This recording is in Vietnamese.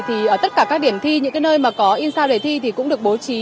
thì ở tất cả các điểm thi những nơi mà có in sao để thi